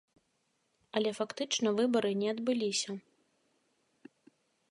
Але фактычна выбары не адбыліся.